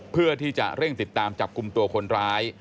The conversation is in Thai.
เพื่อที่จะเร่งติดตามจับกลุ่มตัวคนร้าย